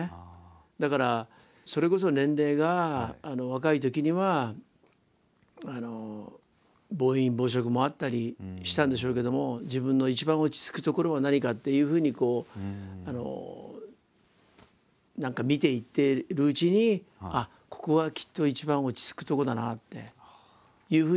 だからそれこそ年齢が若いときには暴飲暴食もあったりしたんでしょうけども自分の一番落ち着くところは何かっていうふうに何か見ていってるうちにここはきっと一番落ち着くとこだなっていうふうになったんでしょうね。